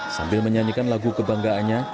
sambil menyanyikan lagu kebanggaannya